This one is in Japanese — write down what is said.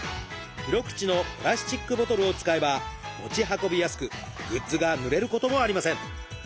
広口のプラスチックボトルを使えば持ち運びやすくグッズがぬれることもありません。